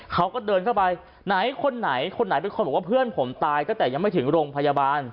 เขาก็เดินเข้าไปไหนคนไหนคนไหนเป็นคนบอกว่าเพื่อนผมตายตั้งแต่ยังไม่ถึงโรงพยาบาล